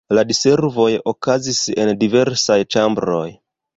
La diservoj okazis en diversaj ĉambroj.